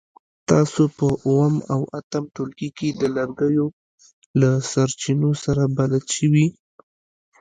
تاسو په اووم او اتم ټولګي کې د لرګیو له سرچینو سره بلد شوي.